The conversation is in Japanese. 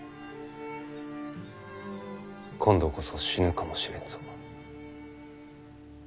今度こそ死ぬかもしれんぞ。